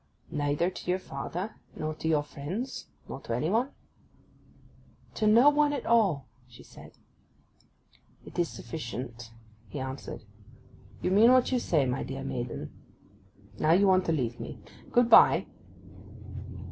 'Neither to your father, nor to your friends, nor to any one?' 'To no one at all,' she said. 'It is sufficient,' he answered. 'You mean what you say, my dear maiden. Now you want to leave me. Good bye!